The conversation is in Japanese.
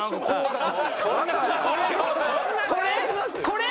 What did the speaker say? これ？